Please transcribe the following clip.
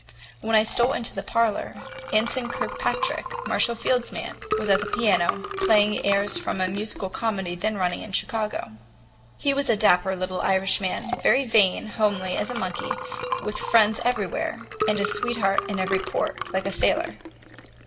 When I stole into the parlor Anson Kirkpatrick, Marshall Field's man, was at the piano, playing airs from a musical comedy then running in Chicago. He was a dapper little Irishman, very vain, homely as a monkey, with friends everywhere, and a sweetheart in every port, like a sailor.